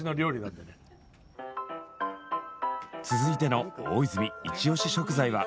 続いての大泉イチオシ食材は。